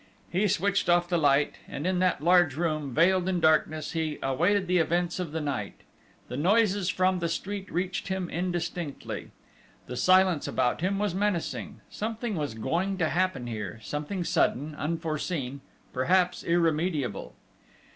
He switched off the light, and in that large room, veiled in darkness, he awaited the events of the night. Noises from the street reached him indistinctly. The silence about him was menacing: something was going to happen here, something sudden, unforeseen, perhaps irremediable.